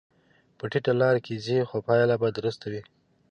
په ټیټه لار کې ځې، خو پایله به درسته وي.